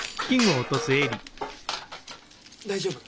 大丈夫？